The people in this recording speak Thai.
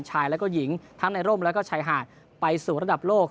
ชายและก็หญิงทั้งในร่มแล้วก็ชายหาดไปสู่ระดับโลก